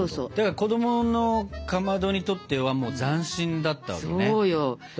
子供のかまどにとってはもう斬新だったわけだ。